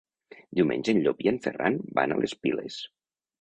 Diumenge en Llop i en Ferran van a les Piles.